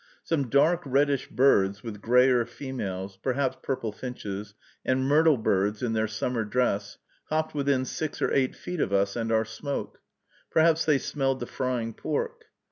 Some dark reddish birds, with grayer females (perhaps purple finches), and myrtle birds in their summer dress, hopped within six or eight feet of us and our smoke. Perhaps they smelled the frying pork.